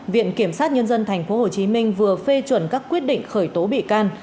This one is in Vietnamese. viện kiểm sát nhân dân tp hcm vừa phê chuẩn các quyết định khởi tố bị can